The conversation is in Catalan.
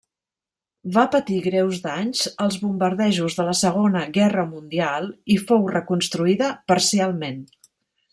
Va patir greus danys als bombardejos de la Segona Guerra Mundial i fou reconstruïda parcialment.